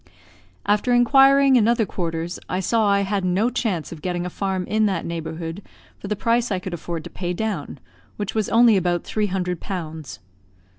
After inquiring in other quarters, I saw I had no chance of getting a farm in that neighbourhood for the price I could afford to pay down, which was only about 300 pounds.